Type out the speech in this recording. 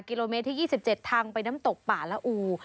กิโลเมตรที่๒๗ทางไปน้ำตกป่าละอู